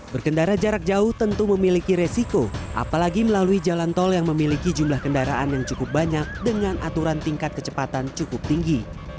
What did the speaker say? berkendara jarak jauh tentu memiliki resiko apalagi melalui jalan tol yang memiliki jumlah kendaraan yang cukup banyak dengan aturan tingkat kecepatan cukup tinggi